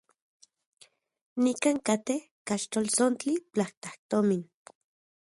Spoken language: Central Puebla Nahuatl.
Nikan katej kaxltoltsontli platajtomin.